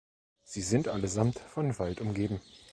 Sie sind allesamt von Wald umgeben.